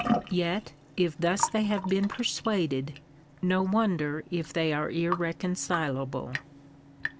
Yet, if thus they have been persuaded, no wonder if they are irreconcilable.